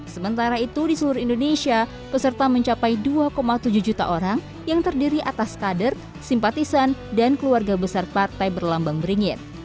sementara itu di seluruh indonesia peserta mencapai dua tujuh juta orang yang terdiri atas kader simpatisan dan keluarga besar partai berlambang beringin